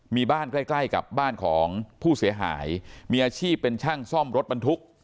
มีบ้านใกล้ใกล้กับบ้านของผู้เสียหายมีอาชีพเป็นช่างซ่อมรถบรรทุก